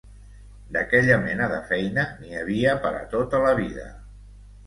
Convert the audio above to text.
D'aquella mena de feina n'hi havia pera tota la vida